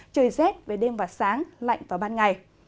trời rét về đêm và sáng lạnh vào ban ngày